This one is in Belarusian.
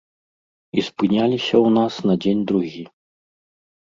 І спыняліся ў нас на дзень-другі.